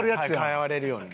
代われるように。